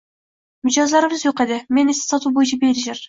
Mijozlarimiz yoʻq edi, men esa sotuv boʻyicha menejer.